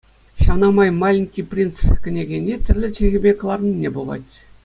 Ҫавна май «Маленький принц» кӗнекене тӗрлӗ чӗлхепе кӑларнине пухать.